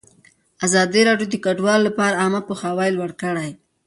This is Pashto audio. ازادي راډیو د کډوال لپاره عامه پوهاوي لوړ کړی.